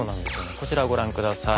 こちらご覧下さい。